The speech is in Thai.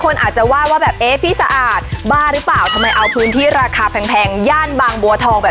และถ้าแพะสาว